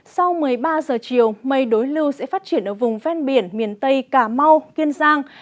sau một mươi ba giờ chiều mây đối lưu sẽ phát triển ở vùng ven biển miền tây cà mau kiên giang